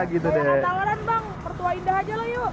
ya nggak tawaran bang pertua indah aja lah yuk